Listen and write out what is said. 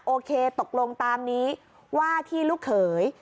โอเคตกลงตามนี้ว่าที่ลูกเขย